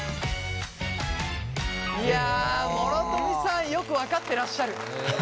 いや諸富さんよく分かってらっしゃる。